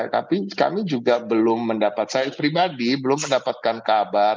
tapi kami juga belum mendapat saya pribadi belum mendapatkan kabar